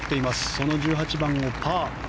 その１８番をパー。